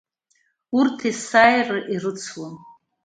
Урҭ есааира ирыцлон.